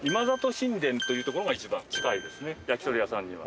焼き鳥屋さんには。